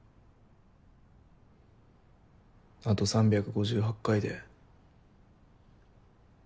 あと３５８回で。